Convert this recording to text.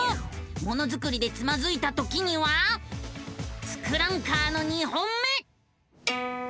ものづくりでつまずいたときには「ツクランカー」の２本目！